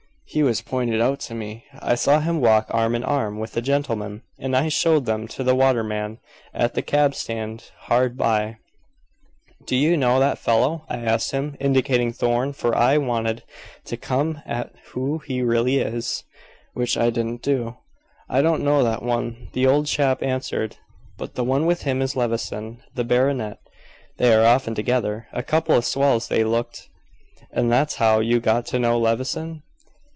"He was pointed out to me. I saw him walk arm in arm with a gentleman, and I showed them to the waterman at the cab stand hard by. 'Do you know that fellow?' I asked him, indicating Thorn, for I wanted to come at who he really is which I didn't do. 'I don't know that one,' the old chap answered, 'but the one with him is Levison the baronet. They are often together a couple of swells they looked.'" "And that's how you got to know Levison?"